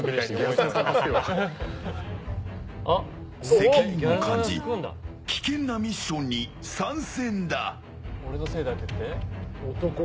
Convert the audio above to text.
責任を感じ危険なミッションに参戦だ。